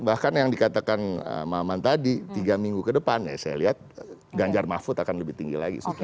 bahkan yang dikatakan maman tadi tiga minggu ke depan ya saya lihat ganjar mahfud akan lebih tinggi lagi